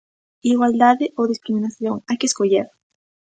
Igualdade ou discriminación, hai que escoller.